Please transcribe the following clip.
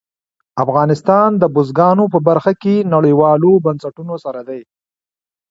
افغانستان د بزګانو په برخه کې نړیوالو بنسټونو سره دی.